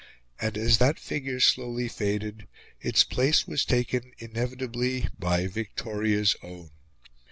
And, as that figure slowly faded, its place was taken, inevitably, by Victoria's own.